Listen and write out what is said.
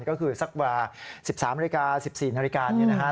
ก็คือสักเวลา๑๓นรกา๑๔นรกาก่อนขึ้น